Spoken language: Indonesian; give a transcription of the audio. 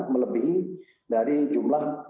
melebihi dari jumlah